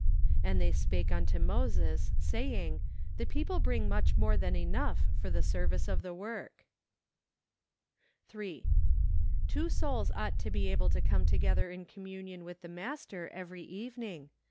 And they spake unto 3Toses , saying , The peo¬ ple bmig much more than enough for the service of the icoi'k." 110 OCTOBER. Ill 3. Two souls ought to be able to come together in communion with the Master every evening.